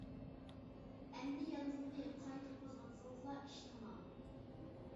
ئەمدى يانفوننى قايتا قوزغاتسىڭىزلا ئىش تامام.